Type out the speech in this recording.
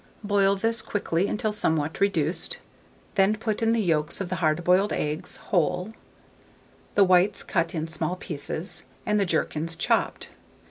Boil this quickly until somewhat reduced; then put in the yolks of the hard boiled eggs whole, the whites cut in small pieces, and the gherkins chopped.